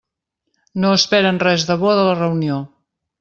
No esperen res de bo de la reunió.